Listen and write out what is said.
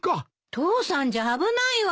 父さんじゃ危ないわよ。